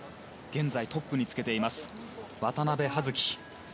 現在トップにつけています渡部葉月。